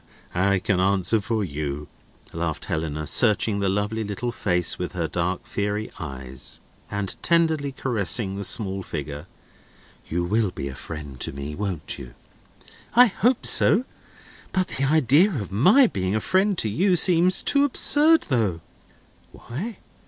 "I can answer for you," laughed Helena, searching the lovely little face with her dark, fiery eyes, and tenderly caressing the small figure. "You will be a friend to me, won't you?" "I hope so. But the idea of my being a friend to you seems too absurd, though." "Why?"